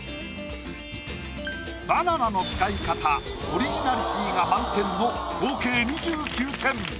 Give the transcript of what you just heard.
バナナの使い方オリジナリティーが満点の合計２９点。